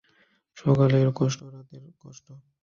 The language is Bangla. সকালে কষ্ট, রাতে কষ্ট।